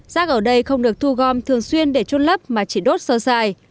rác ở đây không được thu gom thường xuyên để trôn lấp mà chỉ đốt sơ dài